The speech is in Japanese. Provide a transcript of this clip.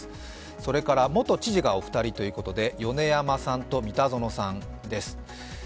それから元知事がお二人ということで米山さんと三反園さんです。